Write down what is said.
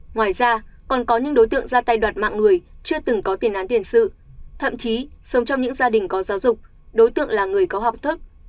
ngoài ra còn có những đối tượng ra tay đoạt mạng người chưa từng có tiền án tiền sự thậm chí sống trong những gia đình có giáo dục đối tượng là người có học thức